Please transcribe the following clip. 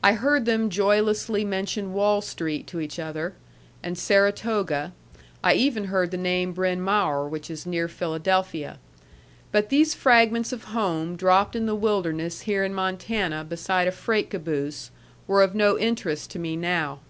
I heard them joylessly mention Wall Street to each other, and Saratoga; I even heard the name Bryn Mawr, which is near Philadelphia. But these fragments of home dropped in the wilderness here in Montana beside a freight caboose were of no interest to me now.